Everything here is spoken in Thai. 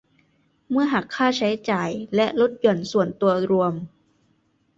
เมื่อหักค่าใช้จ่ายและลดหย่อนส่วนตัวรวม